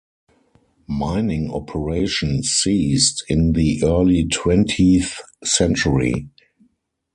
Mining operations ceased in the early twentieth century.